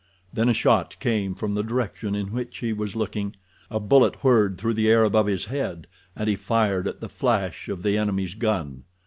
Then a shot came from the direction in which he was looking, a bullet whirred through the air above his head, and he fired at the flash of the enemy's gun.